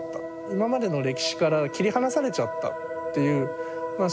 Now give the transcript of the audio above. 今までの歴史から切り離されちゃったっていうまあ